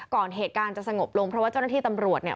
เหตุการณ์จะสงบลงเพราะว่าเจ้าหน้าที่ตำรวจเนี่ย